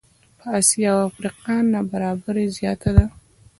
په آسیا او افریقا نابرابري زیاته ده.